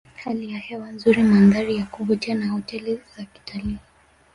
Hali ya hewa nzuri mandhari ya kuvutia na hoteli za kitalii